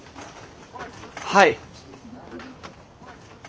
はい。